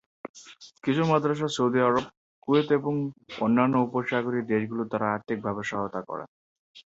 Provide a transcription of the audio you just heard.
কিছু মাদ্রাসা Saudi Arab, Kuwait এবং অন্যান্য উপসাগরীয় দেশগুলির দ্বারা আর্থিকভাবে সহায়তা করে।